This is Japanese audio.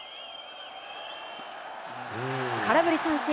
空振り三振。